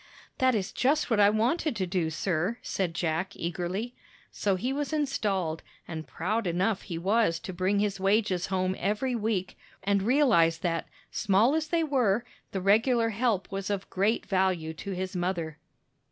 "That is just what I wanted to do, sir," said Jack, eagerly. So he was installed, and proud enough he was to bring his wages home every week, and realize that, small as they were, the regular help was of great value to his mother.